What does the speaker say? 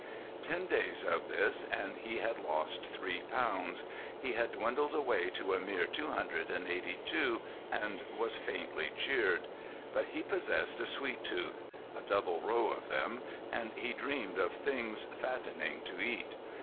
Ten days of this and he had lost three pounds. He had dwindled away to a mere two hundred and eighty two, and was faintly cheered. But he possessed a sweet tooth—a double row of them—and he dreamed of things fattening to eat.